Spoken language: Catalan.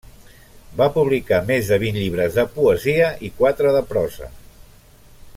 Va publicar més de vint llibres de poesia i quatre de prosa.